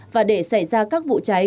và để xảy ra các vụ cháy